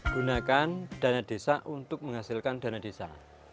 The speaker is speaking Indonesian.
gunakan dana desa untuk menghasilkan dana desa